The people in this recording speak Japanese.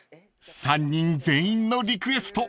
［３人全員のリクエスト